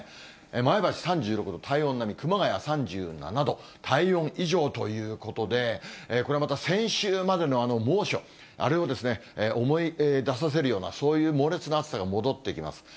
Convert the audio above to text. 前橋３５度、体温並み、熊谷３７度、体温以上ということで、これまた先週までのあの猛暑、あれを思い出させるような、そういう猛烈な暑さが戻ってきます。